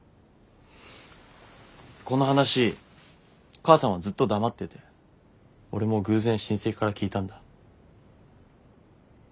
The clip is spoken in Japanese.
この話母さんはずっと黙ってて俺も偶然親戚から聞いたんだ。